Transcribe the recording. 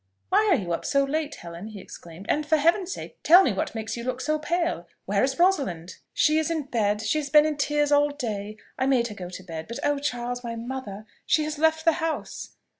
"Why are you up so late, Helen?" he exclaimed: "and for Heaven's sake tell me what makes you look so pale. Where is Rosalind?" "She is in bed; she has been in tears all day; I made her go to bed. But, oh, Charles! my mother! she has left the house."